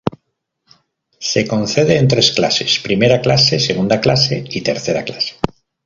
Se concede en tres clases: Primera Clase, Segunda Clase y Tercera Clase.